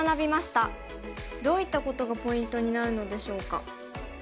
どういったことがポイントになるのでしょうか。